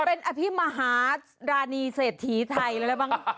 เป็นอภิมหารานีเศรษฐีไทยอะไรบ้าง